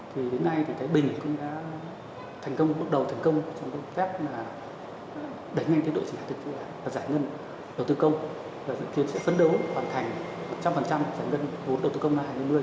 thì đến nay thái bình cũng đã thành công bước đầu thành công